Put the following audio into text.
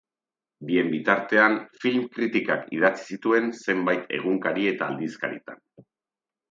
Bien bitartean, film-kritikak idatzi zituen zenbait egunkari eta aldizkaritan.